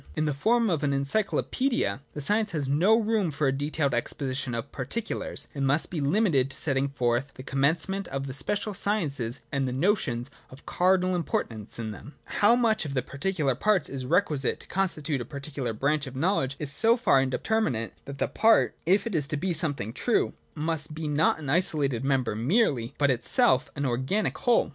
16. J In the form of an Encyclopaedia, the science has no room for a detailed exposition of particulars, and must be limited to setting forth the commencement of the special sciences and the notions of cardinal im portance in them. How much of the particular parts is requisite to con stitute a particular branch of knowledge is so far inde terminate, that the part, if it is to be something true, must be not an isolated member merely, but itself an organic whole.